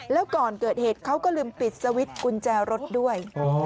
แล้วก่อนเกิดเหตุเขาก็ลืมปิดสวิตช์กุญแจรถด้วย